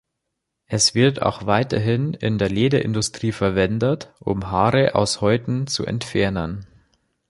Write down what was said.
Es wird auch weiterhin in der Lederindustrie verwendet, um Haare aus Häuten zu entfernen.